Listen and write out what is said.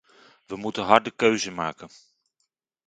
We moeten harde keuzen maken.